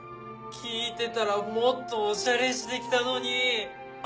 聞いてたらもっとオシャレして来たのに！